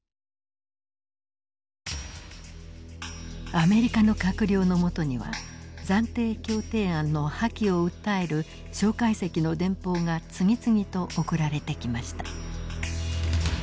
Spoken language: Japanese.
アメリカの閣僚のもとには暫定協定案の破棄を訴える介石の電報が次々と送られてきました。